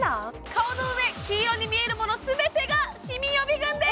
顔の上黄色に見えるもの全てがシミ予備軍です！